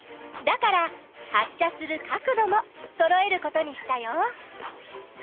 だから発しゃする角度もそろえることにしたよ。